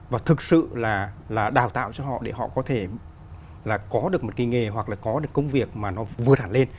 và thực sự là đào tạo cho họ để họ có thể là có được một cái nghề hoặc là có được công việc mà nó vượt hẳn lên